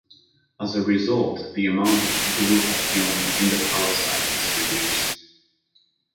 As a result, the amount of glutathione in the parasite is reduced.